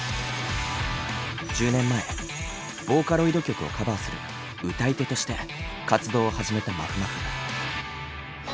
１０年前ボーカロイド曲をカバーする「歌い手」として活動を始めたまふまふ。